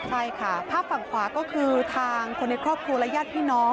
ใช่ค่ะภาพฝั่งขวาก็คือทางคนในครอบครัวและญาติพี่น้อง